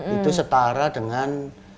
itu setara dengan